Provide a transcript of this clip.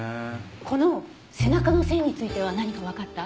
この背中の線については何かわかった？